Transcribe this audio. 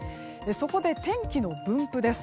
そこで天気の分布です。